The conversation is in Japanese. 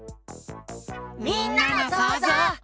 みんなのそうぞう。